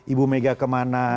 ibu mega kemana